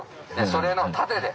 それの縦で。